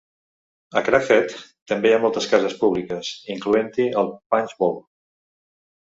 A Craghead també hi ha moltes cases públiques, incloent-hi el Punch Bowl.